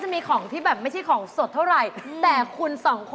และของที่จะมาให้เลือก